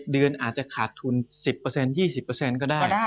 เดือนอาจจะขาดทุน๑๐๒๐ก็ได้